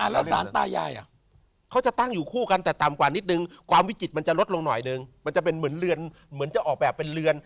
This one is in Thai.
แล้วสารตายายเขาจะตั้งอยู่คู่กันแต่ต่ำกว่านิดนึงความวิจิตมันจะลดลงหน่อยนึงมันจะเป็นเหมือนเรือนเหมือนจะออกแบบเป็นเรือน